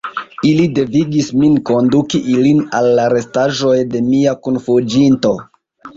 Ili devigis min konduki ilin al la restaĵoj de mia kunfuĝinto.